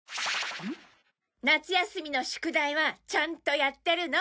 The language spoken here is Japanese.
夏休みの宿題はちゃんとやってるの？